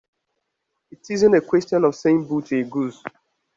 It isn't a question of saying 'boo' to a goose.